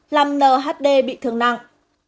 làm lhd bị thương nặng